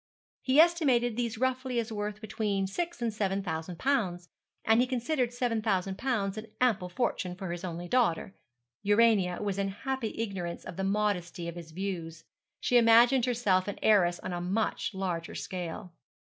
He estimated these roughly as worth between six and seven thousand pounds, and he considered seven thousand pounds an ample fortune for his only daughter. Urania was in happy ignorance of the modesty of his views. She imagined herself an heiress on a much larger scale.